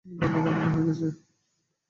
ভাগ্য গণনা হয়ে গেছে!